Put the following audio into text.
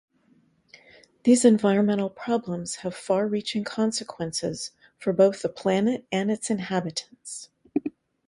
These environmental problems have far-reaching consequences for both the planet and its inhabitants.